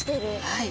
はい。